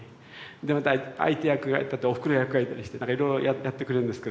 でまた相手役がおふくろ役がいたりしてなんかいろいろやってくれるんですけど。